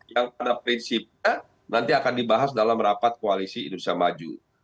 yang pada prinsipnya nanti akan dibahas dalam rapat koalisi indonesia maju